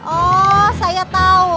oh saya tau